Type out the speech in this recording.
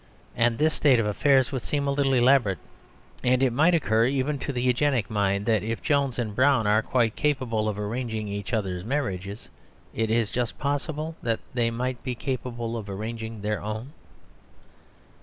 And this state of affairs would seem a little elaborate, and it might occur even to the Eugenic mind that if Jones and Brown are quite capable of arranging each other's marriages, it is just possible that they might be capable of arranging their own.